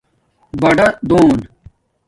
باڑآدون